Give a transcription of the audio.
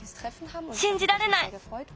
しんじられない！